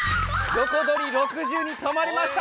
よこどり６０に止まりました。